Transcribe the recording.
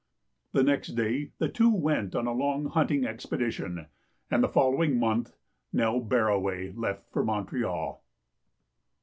The next day the two went on a long hunting ex pedition, and the following month Nell Barraway left for IMontreal.